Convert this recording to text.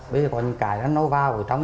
bây giờ còn cái nó vào